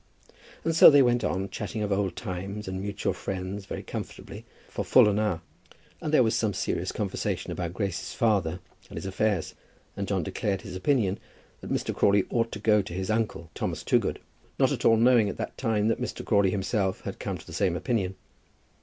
And so they went on, chatting of old times and of mutual friends very comfortably for full an hour. And there was some serious conversation about Grace's father and his affairs, and John declared his opinion that Mr. Crawley ought to go to his uncle, Thomas Toogood, not at all knowing at that time that Mr. Crawley himself had come to the same opinion.